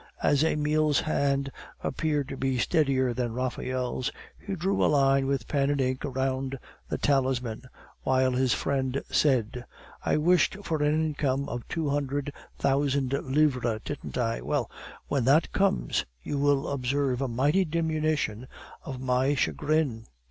As Emile's hand appeared to be steadier than Raphael's, he drew a line with pen and ink round the talisman, while his friend said: "I wished for an income of two hundred thousand livres, didn't I? Well, when that comes, you will observe a mighty diminution of my chagrin."